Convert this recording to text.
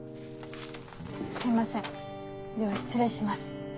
すいませんでは失礼します。